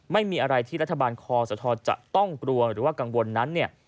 ไม่มีอะไรที่รัฐบาลคอสทจะต้องกลัวหรือว่ากังวลนั้นเนี่ย